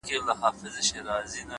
اراده د ستونزو تر ټولو قوي ځواب دی,